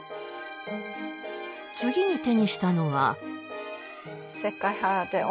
次に手にしたのは。